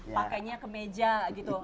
pakainya ke meja gitu